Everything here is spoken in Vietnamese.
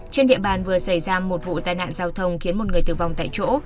trên địa bàn vừa xảy ra một vụ tai nạn giao thông khiến một người tử vong tại chỗ